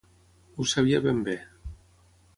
Ho sabia ben bé.